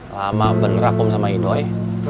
lama bener aku sama idoi